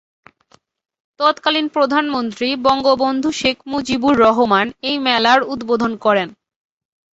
তৎকালীন প্রধানমন্ত্রী বঙ্গবন্ধু শেখ মুজিবুর রহমান এই মেলার উদ্বোধন করেন।